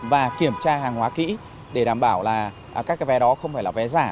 và kiểm tra hàng hóa kỹ để đảm bảo là các cái vé đó không phải là vé giả